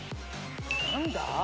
何だ？